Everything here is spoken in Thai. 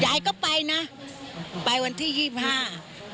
ยายก็ไปนะไปวันที่ยี่สิบห้า